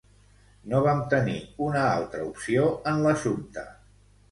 No vam tenir una altra opció en l'assumpte.